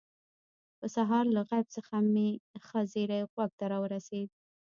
په سهار له غیب څخه مې ښه زیری غوږ ته راورسېد.